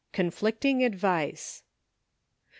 CONFLICTING ADVICE. DR.